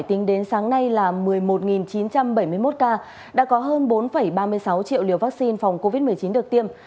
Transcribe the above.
tính đến sáng nay là một mươi một chín trăm bảy mươi một ca đã có hơn bốn ba mươi sáu triệu liều vaccine phòng covid một mươi chín được tiêm